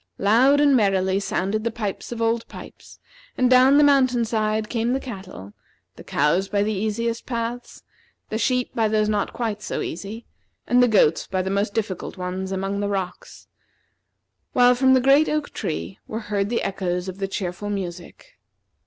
Loud and merrily sounded the pipes of Old Pipes, and down the mountain side came the cattle, the cows by the easiest paths, the sheep by those not quite so easy, and the goats by the most difficult ones among the rocks; while from the great oak tree were heard the echoes of the cheerful music.